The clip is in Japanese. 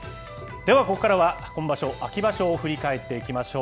では、ここからは今場所、秋場所を振り返っていきましょう。